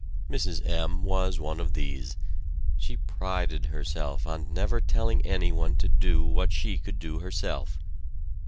Mrs. M. was one of these. She prided herself on never telling anyone to do what she could do herself.